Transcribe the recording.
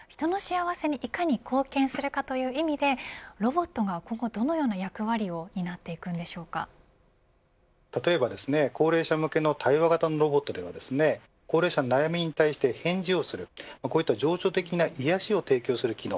人の幸せにいかに貢献できるかという意味でロボットが今後どのような役割を例えば、高齢者向けの対話型ロボットで高齢者の悩みに対して返事をする情緒的な癒しを提供する機能